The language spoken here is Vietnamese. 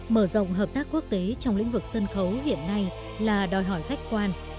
mở rộng hợp tác quốc tế trong lĩnh vực sân khấu hiện nay là đòi hỏi khách quan